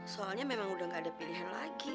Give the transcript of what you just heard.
soalnya memang udah gak ada pilihan lagi